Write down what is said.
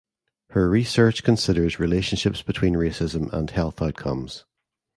Her research considers relationships between racism and health outcomes.